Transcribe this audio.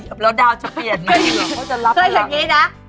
ก็จะรับ